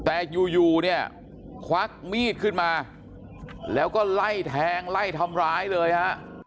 แต่อยู่เนี่ยควักมีดขึ้นมาแล้วก็ไล่แทงไล่ทำร้ายเลยฮะ